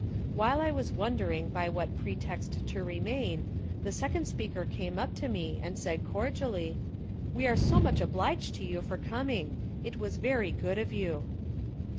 While I was wondering by what pretext to remain, the second speaker came up to me and said cordially: "We are so much obliged to you for coming. It was very good of you."